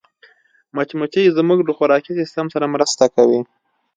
مچمچۍ زموږ له خوراکي سیسټم سره مرسته کوي